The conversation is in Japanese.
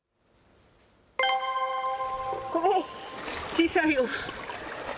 小さいよ。